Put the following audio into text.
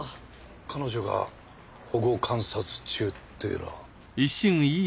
彼女が保護観察中っていうのは？